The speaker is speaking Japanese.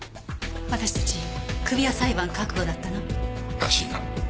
私たちクビや裁判覚悟だったの？らしいな。